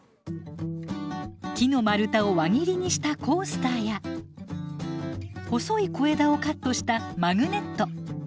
木の丸太を輪切りにしたコースターや細い小枝をカットしたマグネット。